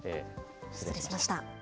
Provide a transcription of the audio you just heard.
失礼しました。